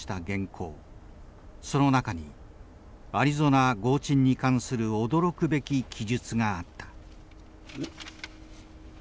その中にアリゾナ轟沈に関する驚くべき記述があった。